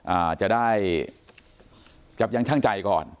อ่าจะได้จับยังช่างใจก่อน